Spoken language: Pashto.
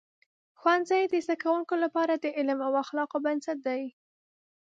ښوونځي د زده کوونکو لپاره د علم او اخلاقو بنسټ دی.